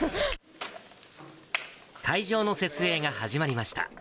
会場の設営が始まりました。